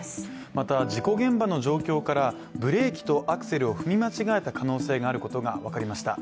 また、事故現場の状況からブレーキとアクセルを踏み間違えた可能性があることが分かりました。